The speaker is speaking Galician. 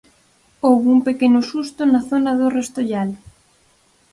Houbo un pequeno susto na zona do Restollal.